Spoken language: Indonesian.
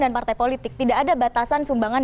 dan partai politik tidak ada batasan sumbangan